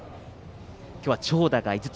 今日は長打が５つ。